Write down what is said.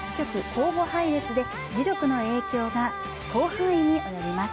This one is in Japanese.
交互配列で磁力の影響が広範囲に及びます。